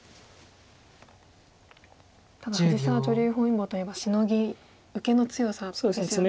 ただ藤沢女流本因坊といえばシノギ受けの強さですよね。